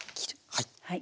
はい。